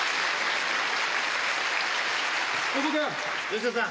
吉田さん。